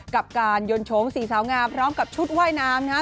กับการยนต์โฉมสี่สาวงามพร้อมกับชุดว่ายน้ำนะฮะ